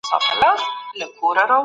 الله د کائناتو خالق او مالک دی.